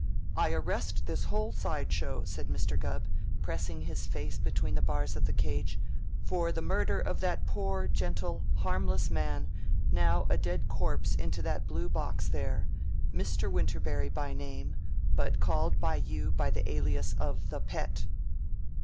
"I arrest this whole side show," said Mr. Gubb, pressing his face between the bars of the cage, "for the murder of that poor, gentle, harmless man now a dead corpse into that blue box there Mr. Winterberry by name, but called by you by the alias of the 'Pet.'"